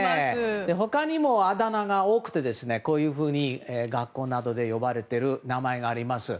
他にもあだ名が多くてこういうふうに学校などで呼ばれている名前があります。